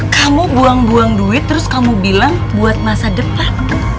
kamu buang buang duit terus kamu bilang buat masa depan